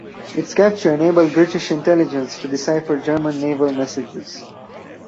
Its capture enabled British intelligence to decipher German naval messages.